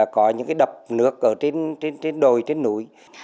có những đập nước ở trên đồi trên núi